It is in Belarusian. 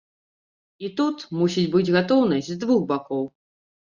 І тут мусіць быць гатоўнасць з двух бакоў.